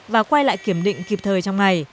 và quay lại kiểm định kịp thời trong ngày